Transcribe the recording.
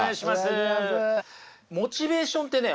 モチベーションってね